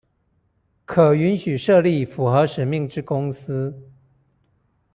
可允許設立符合使命之公司